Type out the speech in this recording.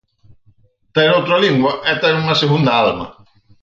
Ter outra lingua é ter unha segunda alma.